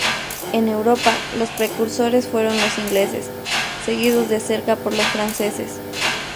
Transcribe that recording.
En Europa, los precursores fueron los ingleses, seguidos de cerca por los franceses.